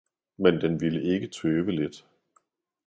Men den ville ikke tøve lidt.